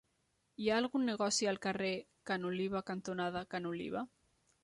Hi ha algun negoci al carrer Ca n'Oliva cantonada Ca n'Oliva?